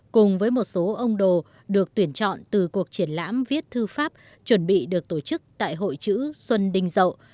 cùng với một số ông đồ được tuyển chọn từ cuộc triển lãm viết thư pháp chuẩn bị được tổ chức tại hội chữ xuân đinh dậu